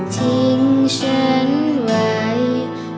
ทิ้งฉันไว้